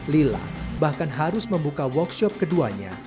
lila bahkan harus membuka workshop keduanya